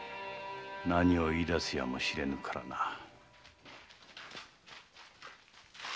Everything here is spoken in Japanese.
何を言い出すやもしれぬからな。